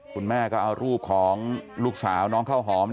คุณแม่ก็เอารูปของลูกสาวน้องข้าวหอม